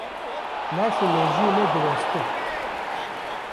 Laş û mejiyê me diwestin.